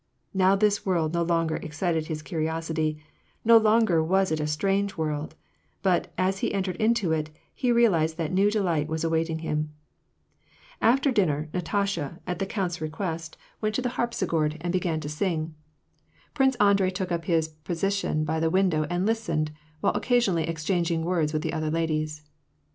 Now this world no longer excited his curiosity, no longer was it a strange world ; but, as he entered into it, he realized that new delight was awaiting him. After dinner, Natasha, at the count's request, went to the 216 WAR AND PEACE. harpischord and began to sing. Prince Andrei took up liis position by the window and listened, while occasionally ex changing words with the other ladies.